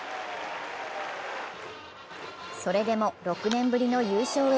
それでも６年ぶりの優勝へ。